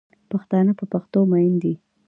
پښتانه په پښتو میین دی